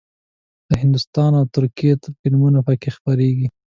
د هندوستان او ترکیې فلمونه پکې خپرېږي.